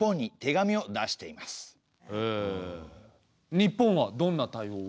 日本はどんな対応を？